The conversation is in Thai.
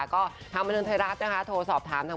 ก็ทำมาทั้งทราบโทรสอบถามทาง